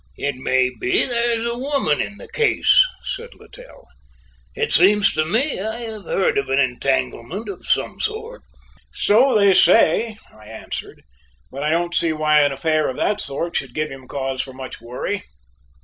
"It may be there is a woman in the case," said Littell; "it seems to me I have heard of an entanglement of some sort." "So they say," I answered, "but I don't see why an affair of that sort should give him cause for much worry."